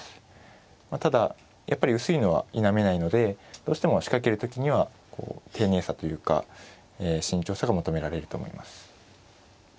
ただやっぱり薄いのは否めないのでどうしても仕掛ける時には丁寧さというか慎重さが求められると思います。